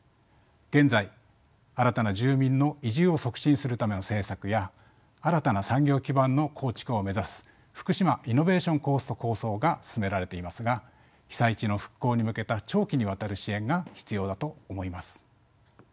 現在新たな住民の移住を促進するための政策や新たな産業基盤の構築を目指す福島イノベーション・コースト構想が進められていますが被災地の復興に向けた長期にわたる支援が必要だと思います。